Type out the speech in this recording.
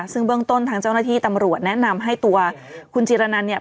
ซึ่งเบื้องต้นทางเจ้าหน้าที่ตำรวจแนะนำให้ตัวคุณจิรนันเนี่ย